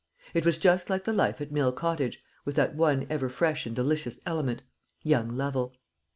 It was just like the life at Mill Cottage, with that one ever fresh and delicious element young Lovel.